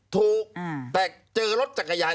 ถูกแต่เจอรถจักรยาน